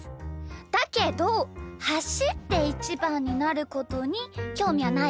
だけどはしってイチバンになることにきょうみはないです。